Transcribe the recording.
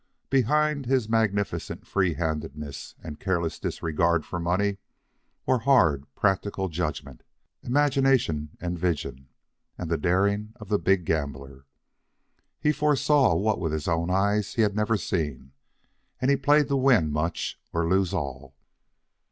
Behind his magnificent free handedness and careless disregard for money were hard, practical judgment, imagination and vision, and the daring of the big gambler. He foresaw what with his own eyes he had never seen, and he played to win much or lose all.